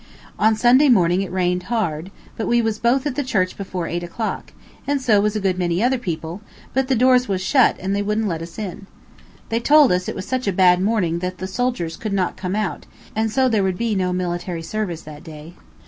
On Sunday morning it rained hard, but we was both at the church before eight o'clock, and so was a good many other people, but the doors was shut and they wouldn't let us in. They told us it was such a bad morning that the soldiers could not come out, and so there would be no military service that day.